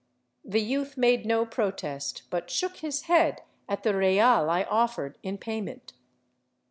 The youth made no protest, but shook his head at the real I offered in payment.